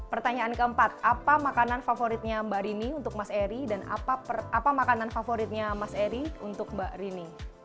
pertanyaan keempat apa makanan favoritnya mbak rini untuk mas eri dan apa makanan favoritnya mas eri untuk mbak rini